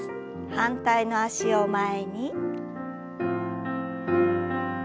反対の脚を前に。